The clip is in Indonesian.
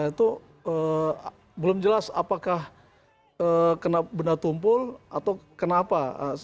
itu belum jelas apakah kena benda tumpul atau kenapa